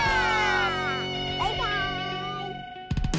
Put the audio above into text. バイバーイ！